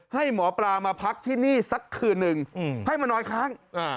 ให้หมอปลามาพักที่นี่สักคืนนึงให้มานอนค้าง